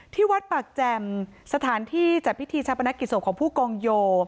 ที่วัดปากแจ่มสถานที่จัดพิธีชาปนกิจศพของผู้กองโย